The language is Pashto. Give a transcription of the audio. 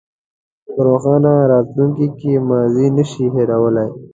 په روښانه راتلونکي کې ماضي نه شئ هېرولی.